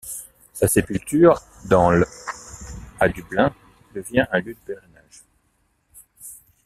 Sa sépulture dans l' à Dublin devient un lieu de pèlerinage.